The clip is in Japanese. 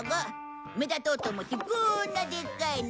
目立とうと思ってこーんなでっかいの。